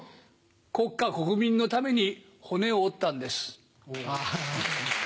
国家国民のために骨を折ったんです。